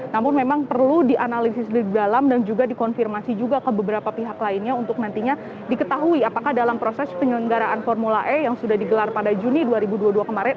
namun memang perlu dianalisis lebih dalam dan juga dikonfirmasi juga ke beberapa pihak lainnya untuk nantinya diketahui apakah dalam proses penyelenggaraan formula e yang sudah digelar pada juni dua ribu dua puluh dua kemarin